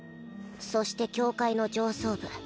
そして教会の上層部